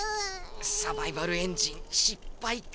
サバイバルエンジンしっぱいか。